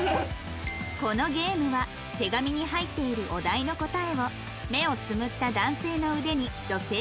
このゲームは手紙に入っているお題の答えを目をつむった男性の腕に女性が書きます